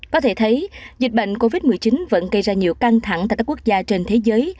có thể thấy dịch bệnh covid một mươi chín vẫn gây ra nhiều căng thẳng tại các quốc gia trên thế giới